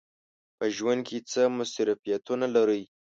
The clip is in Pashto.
په ژوند کې څه مصروفیتونه لرئ؟